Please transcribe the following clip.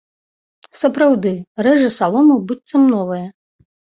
Сапраўды, рэжа салому, быццам новая.